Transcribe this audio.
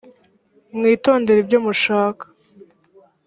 mwitondere ibyo mushaka